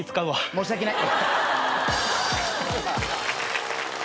申し訳ない。